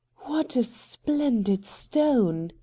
' What a splendid stone